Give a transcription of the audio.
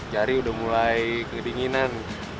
jari udah mulai kedinginan